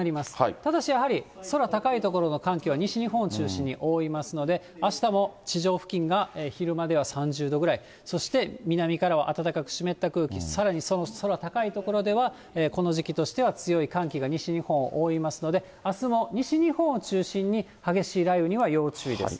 ただし、やはり空高い所の寒気は西日本を中心に覆いますので、あしたも地上付近が昼間では３０度ぐらい、そして南からは暖かく湿った空気、さらに空高い所では、この時期としては強い寒気が西日本を覆いますので、あすも西日本を中心に、激しい雷雨には要注意です。